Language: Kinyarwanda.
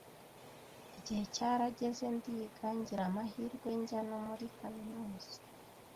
Igihe cyarageze ndiga, ngira amahirwe njya no muri kaminuza